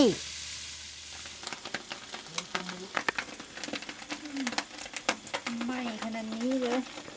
หนีพอนึกขึ้นได้ก็กลับมาดูก็ไม่